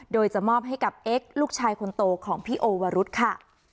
โดยจะมอบให้กับเอ็กซ์ลูกชายคนโตของพี่โอวรุษค่ะ